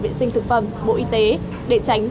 viện sinh thực phẩm bộ y tế để tránh